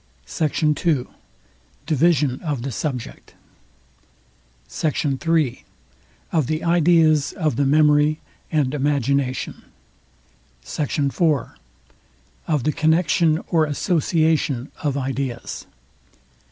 SECT. II. DIVISION OF THE SUBJECT. SECT. III. OF THE IDEAS OF THE MEMORY AND IMAGINATION. SECT. IV. OF THE CONNECTION OR ASSOCIATION OF IDEAS.